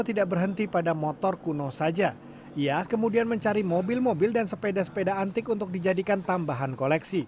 tidak berhenti pada motor kuno saja ia kemudian mencari mobil mobil dan sepeda sepeda antik untuk dijadikan tambahan koleksi